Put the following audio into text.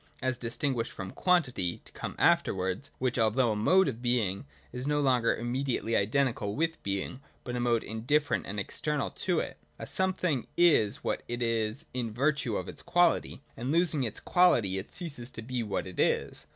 — as distinguished from Quan tity (to come afterwards), which, although a mode of Being, 90, 9" J QUALITY. 171 is no longer immediately identical with Being, but a mode indifferent and external to it. A Something is what it is in virtue of its quality, and losing its quality it ceases to be what it is.